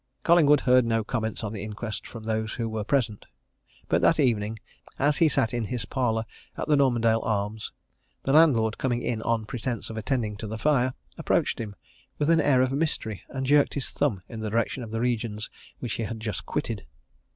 Collingwood heard no comments on the inquest from those who were present. But that evening, as he sat in his parlour at the Normandale Arms, the landlord, coming in on pretence of attending to the fire, approached him with an air of mystery and jerked his thumb in the direction of the regions which he had just quitted.